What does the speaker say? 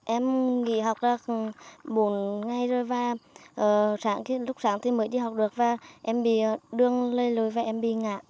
em nghỉ học ra bốn ngày rồi lúc sáng thì mới đi học được và em bị đường lây lưới và em bị ngã